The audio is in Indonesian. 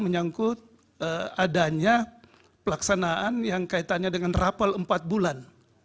menyangkut adanya pelaksanaan yang kaitannya dengan rapel empat bulan